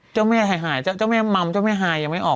เจ้าแม่หายเจ้าแม่มัมเจ้าแม่หายยังไม่ออก